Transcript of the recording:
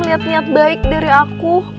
niat niat baik dari aku